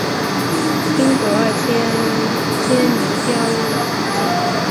英国二千坚尼锦标是一场只限三岁雄马参赛的平地国际一级赛事。